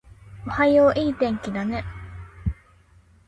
おはよう、いい天気だね